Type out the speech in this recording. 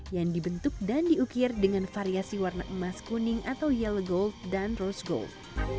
yang dibentuk dan diukir dengan variasi warna emas kuning atau yello gold dan rose gold